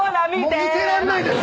もう見てらんないです！